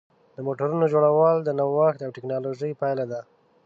د موټرونو جوړول د نوښت او ټېکنالوژۍ پایله ده.